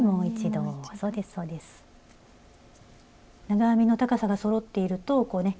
長編みの高さがそろっているとこうね